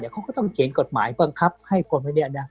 เขาก็จะต้องเขียนกฎหมายบังคัปให้คนไว้